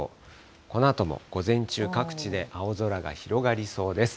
このあとも午前中、各地で青空が広がりそうです。